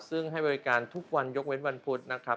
ซึ่งให้บริการทุกวันยกเว้นวันพุธนะครับ